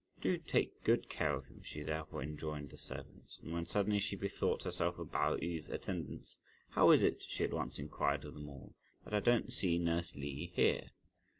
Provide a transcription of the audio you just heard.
"Do take good care of him," she therefore enjoined the servants, and when suddenly she bethought herself of Pao yü's attendants, "How is it," she at once inquired of them all, "that I don't see nurse Li here?"